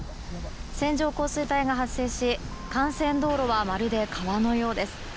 線状降水帯が発生し幹線道路はまるで川のようです。